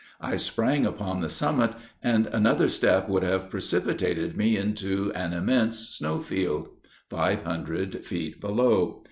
I sprang upon the summit, and another step would have precipitated me into an immense snow field, five hundred feet below.